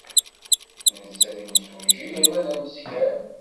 Netta d imsujji yernu d ameskar.